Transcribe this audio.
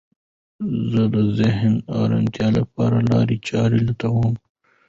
زه د ذهني ارامتیا لپاره لارې چارې لټوم.